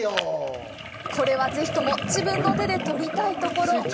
これは、ぜひとも自分の手で採りたいところ。